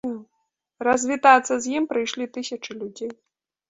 Развітацца з ім прыйшлі тысячы людзей.